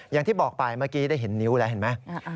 อย่างที่บอกไปเมื่อกี้ได้เห็นนิ้วแล้วเห็นไหม